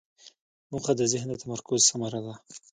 موخه د ذهن د تمرکز ثمره ده.